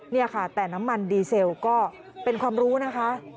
นี่ค่ะแต่น้ำมันดีเซลก็เป็นความรู้นะคะ